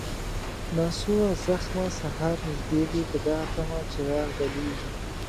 ناسوره زخمه، سهار نژدې دی په دغه طمه، چراغ بلیږي